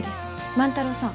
万太郎さん